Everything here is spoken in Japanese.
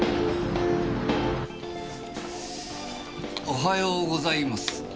おはようございます。